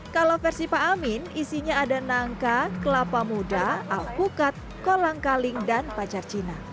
kalau versi pak amin isinya ada nangka kelapa muda alpukat kolang kaling dan pacar cina